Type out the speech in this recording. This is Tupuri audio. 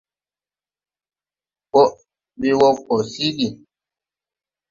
Ɓɔʼn we wɔ gɔ siigi.